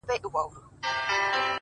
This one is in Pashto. له پاڼې ـ پاڼې اوستا سره خبرې وکړه!!